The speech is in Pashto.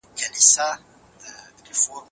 کله د یو چا نه ویل زموږ په ګټه وي؟